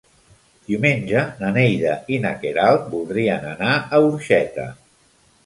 Diumenge na Neida i na Queralt voldrien anar a Orxeta.